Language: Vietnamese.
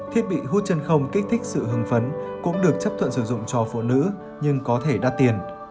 thiết bị hút chân không kích thích sự hưng phấn cũng được chấp thuận sử dụng cho phụ nữ nhưng có thể đắt tiền